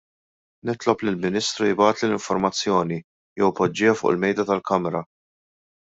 Nitlob lill-Ministru jibgħatli l-informazzjoni jew ipoġġiha fuq il-Mejda tal-Kamra.